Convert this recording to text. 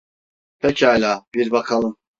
Pekâlâ, bir bakalım.